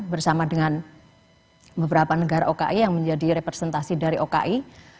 bersama dengan beberapa negara oki yang menjadi representasi dari oki